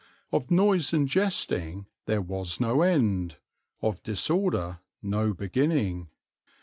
Of noise and jesting there was no end, of disorder no beginning.